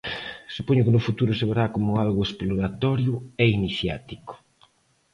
Supoño que no futuro se verá como algo exploratorio e iniciático.